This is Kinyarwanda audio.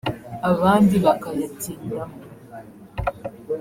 abandi bakayatindamo